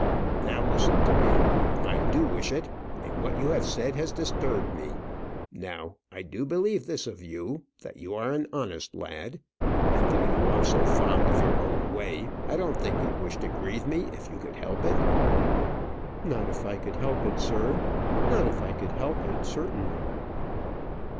"Now listen to me. I do wish it, and what you have said has disturbed me. Now I do believe this of you, that you are an honest lad; and though you are so fond of your own way, I don't think you'd wish to grieve me if you could help it." "Not if I could help it, sir; not if I could help it, certainly."